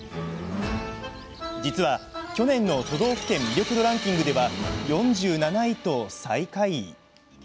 実は去年の都道府県魅力度ランキングでは４７位と、最下位。